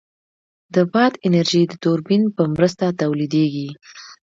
د باد انرژي د توربین په مرسته تولیدېږي.